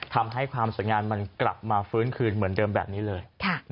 ทำให้ความสวยงามมันกลับมาฟื้นคืนเหมือนเดิมแบบนี้เลย